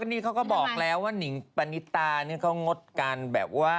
นี่เขาก็บอกแล้วว่านิงปณิตานี่เขางดการแบบว่า